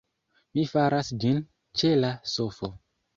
Mi faras ĝin ĉe la sofo